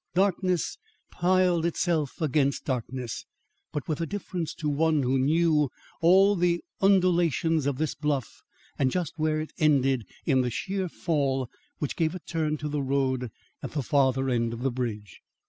Darkness piled itself against darkness, but with a difference to one who knew all the undulations of this bluff and just where it ended in the sheer fall which gave a turn to the road at the farther end of the bridge.